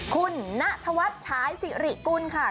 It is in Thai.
คุณนัทวัชชายสิริกุลค่ะ